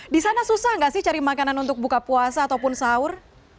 di sana susah nggak sih cari makanan untuk buka puasa ataupun sahur